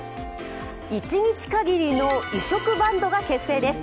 一日限りの異色バンドが結成です。